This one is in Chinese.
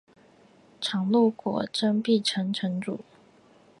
常陆国真壁城城主。